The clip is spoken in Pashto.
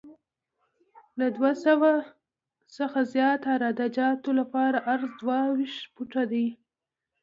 د دوه سوه څخه زیات عراده جاتو لپاره عرض دوه ویشت فوټه دی